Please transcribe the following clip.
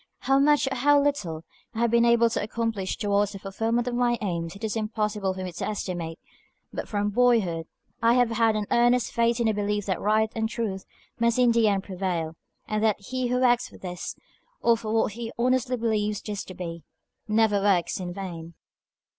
How much, or how little, I have been able to accomplish towards the fulfilment of my aims it is impossible for me to estimate, but from boyhood I have had an earnest faith in the belief that right and truth must in the end prevail, and that he who works for these, or for what he honestly believes these to be, never works in vain.